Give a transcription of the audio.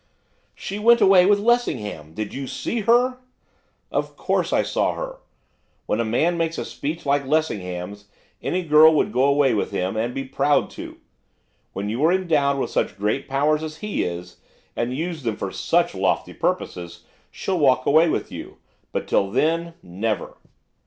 'She went away with Lessingham, did you see her?' 'Of course I saw her. When a man makes a speech like Lessingham's any girl would go away with him, and be proud to. When you are endowed with such great powers as he is, and use them for such lofty purposes, she'll walk away with you, but, till then, never.